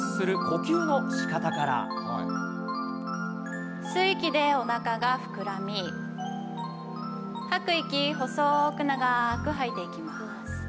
吸う息でおなかが膨らみ、吐く息、細く長く吐いていきます。